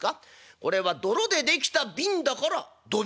「これは泥で出来た瓶だから土瓶だ」。